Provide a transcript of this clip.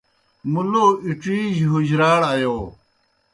مُلو اِڇِیجیْ حُجراڑ آیو۔